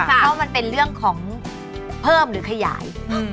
เพราะมันเป็นเรื่องของเพิ่มหรือขยาย